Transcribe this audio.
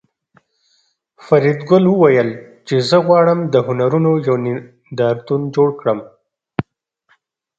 فریدګل وویل چې زه غواړم د هنرونو یو نندارتون جوړ کړم